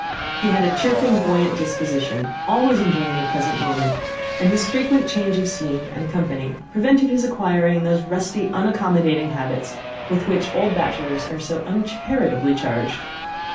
He had a chirping, buoyant disposition, always enjoying the present moment; and his frequent change of scene and company prevented his acquiring those rusty unaccommodating habits with which old bachelors are so uncharitably charged.